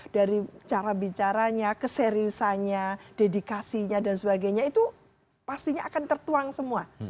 dari cara bicaranya keseriusannya dedikasinya dan sebagainya itu pastinya akan tertuang semua